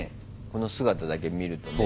この姿だけ見るとね。